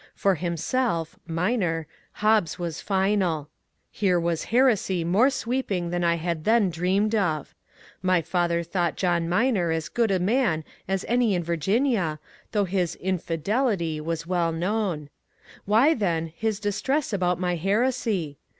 For himself (Minor) Hobbes was finsd. Here was heresy more sweeping than I had then dreamed of. My father thought John Minor as good a man as any in Vir ginia, though his ^^ infidelity " was well known. Why, then, his distress about my heresy